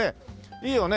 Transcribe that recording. いいよね。